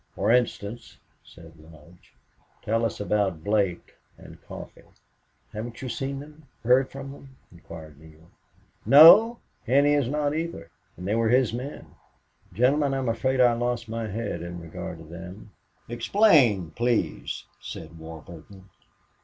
"For instance," said Lodge, "tell us about Blake and Coffee." "Haven't you seen them heard from them?" inquired Neale. "No. Henney has not, either. And they were his men." "Gentlemen, I'm afraid I lost my head in regard to them." "Explain, please," said Warburton.